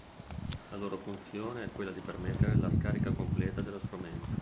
La loro funzione è quella di permettere la scarica completa dello strumento.